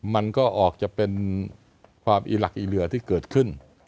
มันก็ออกจะเป็นความอีหลักอีเหลือที่เกิดขึ้น